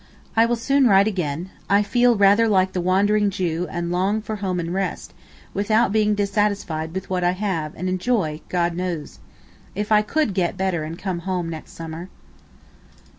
I will soon write again. I feel rather like the wandering Jew and long for home and rest, without being dissatisfied with what I have and enjoy, God knows. If I could get better and come home next summer.